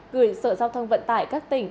gửi sở giao thông vận tải các tỉnh